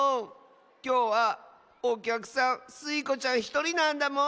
きょうはおきゃくさんスイ子ちゃんひとりなんだもん。